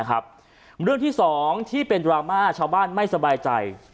เรื่องที่๒ที่เป็นดราม่าชาวบ้านไม่สบายใจ